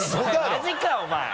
マジかお前！